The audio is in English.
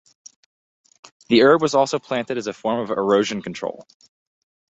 The herb was also planted as a form of erosion control.